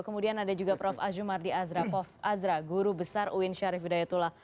kemudian ada juga prof azumardi azra pof azra guru besar uin syarif hidayatullah